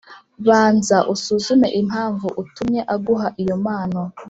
banza usuzume impamvu itumye aguha iyo mpano.